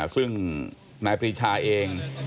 ซึ่งนายปรีชาเอง